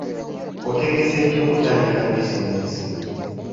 Otegese ddi okutandika bizinensi?